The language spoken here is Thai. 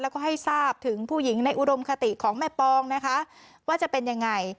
แล้วก็ให้ทราบถึงผู้หญิงในอุดมคติของแม่ปองนะคะว่าจะเป็นยังไง